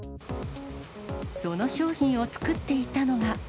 その商品を作っていたのが。